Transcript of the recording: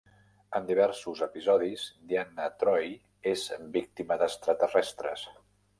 En diversos episodis, Deanna Troi és víctima d'extraterrestres.